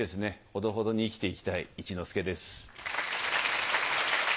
ほどほどに生きていきたい一之輔です。